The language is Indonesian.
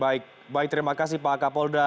baik baik terima kasih pak kapolda